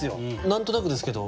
何となくですけど。